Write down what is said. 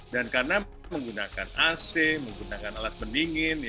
karena menggunakan ac menggunakan alat pendingin